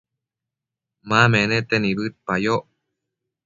ma menete nibëdpayoc